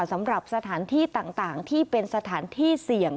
สำหรับสถานที่ต่างที่เป็นสถานที่เสี่ยง